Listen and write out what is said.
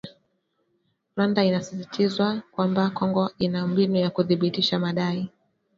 Rwanda inasisitizIwa kwamba Kongo ina mbinu za kuthibitisha madai